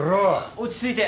落ち着いて。